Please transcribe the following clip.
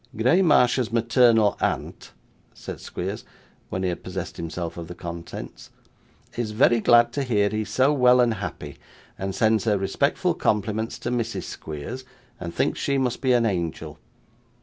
'Graymarsh's maternal aunt,' said Squeers, when he had possessed himself of the contents, 'is very glad to hear he's so well and happy, and sends her respectful compliments to Mrs. Squeers, and thinks she must be an angel.